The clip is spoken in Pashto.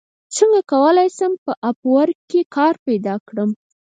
څنګه کولی شم په اپ ورک کې کار پیدا کړم